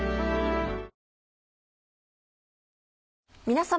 皆様。